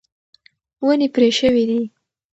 ونې پرې شوې دي.